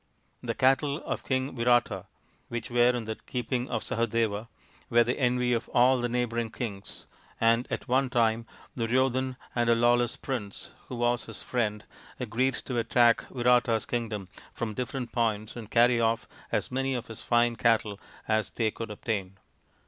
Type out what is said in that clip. The cattle of King Virata, which were in the keep ing of Sahadeva, were the envy of all the neighbouring kings, and at one time Duryodhan and a lawless prince THE FIVE TALL SONS OF PANDU 93 who was his friend agreed to attack Virata's kingdom from different points and carry off as many of his fine cattle as they could obtain.